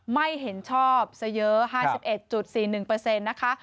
ไม่เห็นชอบซะเยอะ๕๑๔๑นะคะ